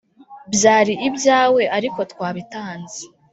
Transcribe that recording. byari ibyawe ariko twabitanze.